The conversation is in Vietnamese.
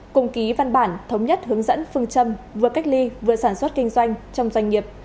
cùng ký văn bản thống nhất hướng dẫn phương châm vừa cách ly vừa sản xuất kinh doanh trong doanh nghiệp